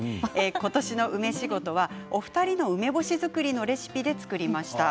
今年の梅仕事はお二人の梅干し作りのレシピで作りました。